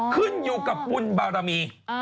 ขึ้นอยู่กับบุญบารมี